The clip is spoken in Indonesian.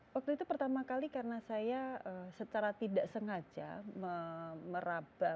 waktu itu pertama kali karena saya secara tidak sengaja meraba